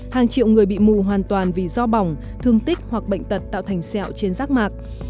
hàng triệu người bị mù hoàn toàn vì do bỏng thương tích hoặc bệnh tật tạo thành xẹo trên rác mạc